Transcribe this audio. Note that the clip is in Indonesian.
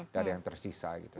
empat dari yang tersisa